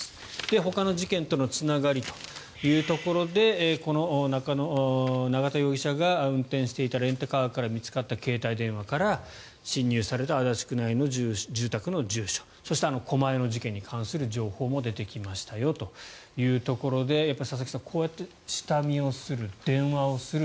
ほかの事件とのつながりというところでこの永田容疑者が運転していたレンタカーから見つかった携帯電話から侵入された足立区内の住宅の住所そして狛江の事件に関する情報も出てきましたよというところでやっぱり佐々木さん、こうやって下見をする、電話をする